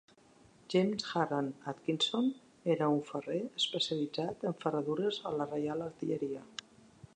James Harland Atkinson era un ferrer especialitzat en ferradures a la Reial Artilleria.